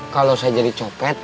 kalau saya jadi copet